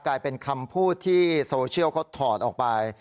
กลายเป็นคำพูดที่โซเชียลเขาถอดออกไป